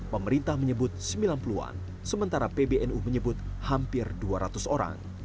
pemerintah menyebut sembilan puluh an sementara pbnu menyebut hampir dua ratus orang